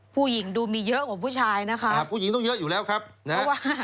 ผู้หญิงดูมีเยอะกว่าผู้ชายนะคะอ่าผู้หญิงต้องเยอะอยู่แล้วครับนะฮะ